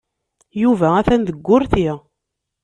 Yuba atan deg wurti.